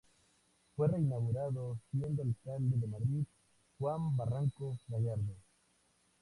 Fue reinaugurado siendo alcalde de Madrid Juan Barranco Gallardo.